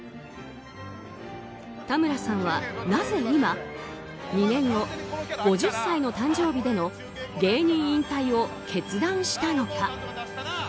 たむらさんはなぜ今２年後、５０歳の誕生日での芸人引退を決断したのか。